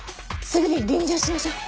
すぐに臨場しましょう！